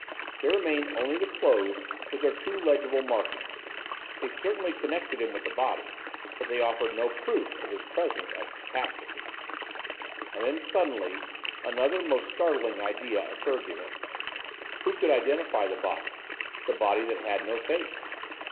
There remained only the clothes with their too legible markings. They certainly connected him with the body, but they offered no proof of his presence at the catastrophe. And then, suddenly, another most startling idea occurred to him. Who could identify the body—the body that had no face?